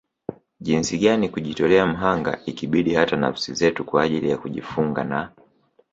Jinsi gani kujitolea mhanga ikibidi hata nafsi zetu kwa ajili ya kujifunga na